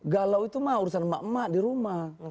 galau itu mah urusan emak emak di rumah